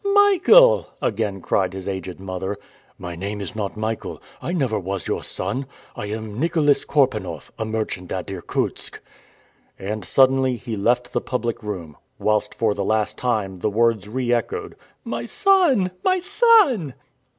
"Michael!" again cried his aged mother. "My name is not Michael. I never was your son! I am Nicholas Korpanoff, a merchant at Irkutsk." And suddenly he left the public room, whilst for the last time the words re echoed, "My son! my son!"